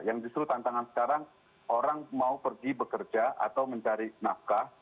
yang justru tantangan sekarang orang mau pergi bekerja atau mencari nafkah